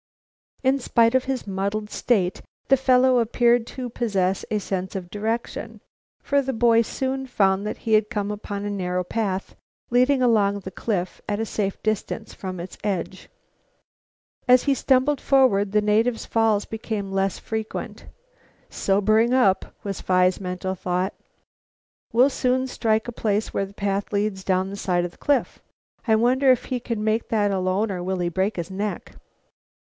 In spite of his muddled state the fellow appeared to possess a sense of direction, for the boy soon found that he had come upon a narrow path leading along the cliff at a safe distance from its edge. As he stumbled forward, the native's falls became less frequent. "Sobering up," was Phi's mental comment. "We'll soon strike a place where the path leads down the side of the cliff. I wonder if he can make that alone or will he break his neck?"